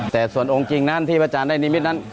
แต่ส่วนองค์จริงนั้นที่พระอาจารย์ได้นิมิตนั้น